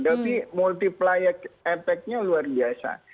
tapi multiplier efeknya luar biasa